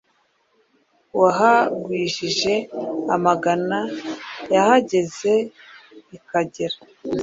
Wahagwijije amagana. Yahageze i Kagera